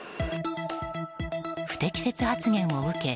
不適切発言を受け